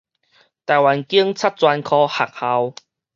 臺灣警察專科學校